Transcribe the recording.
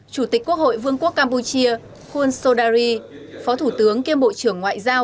chủ tịch quốc hội vương quốc campuchia khuôn sodari phó thủ tướng kiêm bộ trưởng ngoại giao